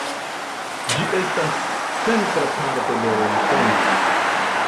Ĝi estas centra parto de Honkongo.